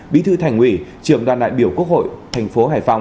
bí thư thành ủy trường đoàn đại biểu quốc hội thành phố hải phòng